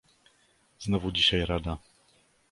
"Znowu dzisiaj rada."